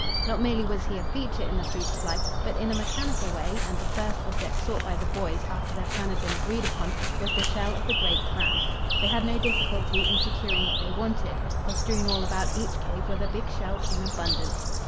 Not merely was he a feature in the food supply, but in a mechanical way, and the first object sought by the boys, after their plan had been agreed upon, was the shell of the great clam. They had no difficulty in securing what they wanted, for strewn all about each cave were the big shells in abundance.